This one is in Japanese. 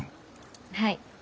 はい。